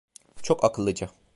Çok akıllıca.